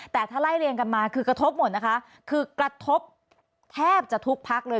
แต่ถ้าไล่เรียงกันมาคือกระทบหมดนะคะคือกระทบแทบจะทุกพักเลย